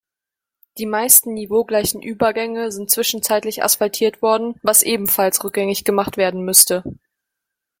Die meisten niveaugleichen Übergänge sind zwischenzeitlich asphaltiert worden, was ebenfalls rückgängig gemacht werden müsste.